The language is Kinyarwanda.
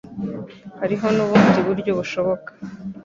Hariho nubundi buryo bushoboka.